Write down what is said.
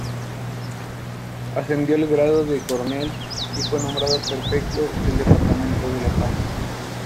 Ascendió al grado de coronel y fue nombrado Prefecto del departamento de La Paz.